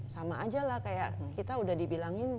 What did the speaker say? sama aja lah kayak kita udah dibilangin